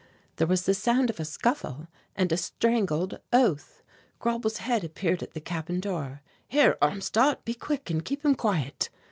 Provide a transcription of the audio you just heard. There was the sound of a scuffle and a strangled oath. Grauble's head appeared at the cabin door. "Here, Armstadt; be quick, and keep him quiet."